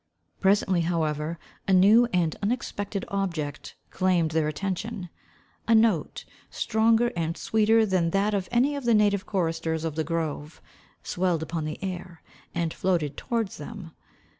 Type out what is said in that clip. Presently, however, a new and unexpected object claimed their attention. A note, stronger and sweeter than that of any of the native choristers of the grove, swelled upon the air, and floated towards them.